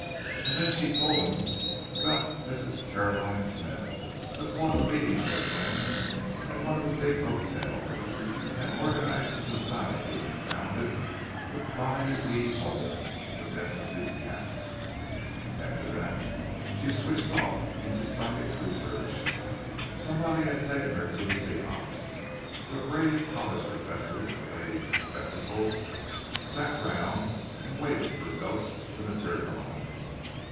And then she told him about Mrs. Caroline Smythe, who had called a meeting of her friends at one of the big hotels, and organized a society and founded the "Bide a Wee Home" for destitute cats. After that she switched off into psychic research—somebody had taken her to a seance, where grave college professors and ladies in spectacles sat round and waited for ghosts to materialize.